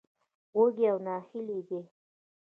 وږي او نهيلي دي.